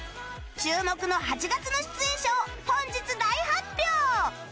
注目の８月の出演者を本日大発表！